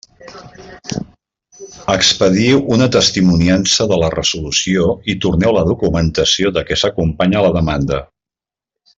Expediu una testimoniança de la resolució i torneu la documentació de què s'acompanya la demanda.